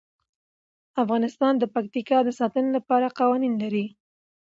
افغانستان د پکتیکا د ساتنې لپاره قوانین لري.